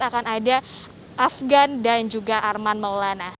akan ada afgan dan juga arman maulana